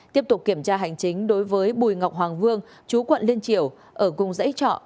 trong một kiểm tra hành chính đối với bùi ngọc hoàng vương trú quận liên triều ở cùng dãy trọ